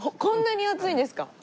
こんなに厚いんですか？